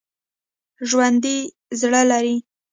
ژوندي زړه لري